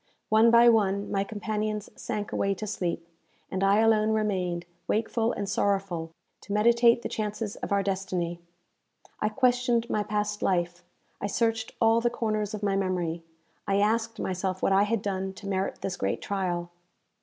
One by one, my companions sank away to sleep, and I alone remained, wakeful and sorrowful, to meditate the chances of our destiny. I questioned my past life; I searched all the corners of my memory; I asked myself what I had done to merit this great trial?